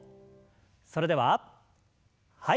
それでははい。